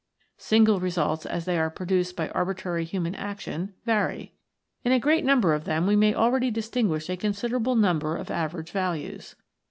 Single results, as they are produced by arbitrary human action, vary. In a great number of them we may already distinguish a considerable number of average values.